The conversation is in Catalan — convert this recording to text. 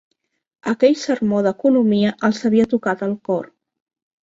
Aquell sermó d'economia els havia tocat el cor